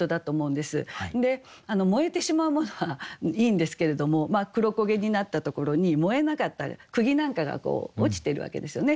で燃えてしまうものはいいんですけれども黒焦げになったところに燃えなかった釘なんかが落ちてるわけですよね。